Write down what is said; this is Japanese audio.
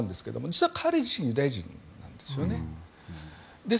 実は彼自身がユダヤ人なんですよね。